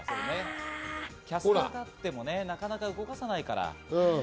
キャスターがあっても、なかなか動かさないから。